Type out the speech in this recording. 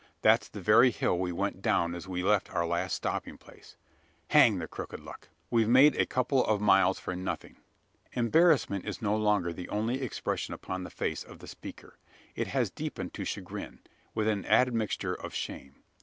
That's the very hill we went down as we left our last stopping place. Hang the crooked luck! We've made a couple of miles for nothing." Embarrassment is no longer the only expression upon the face of the speaker. It has deepened to chagrin, with an admixture of shame.